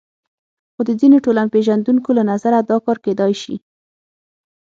خو د ځینو ټولنپېژندونکو له نظره دا کار کېدای شي.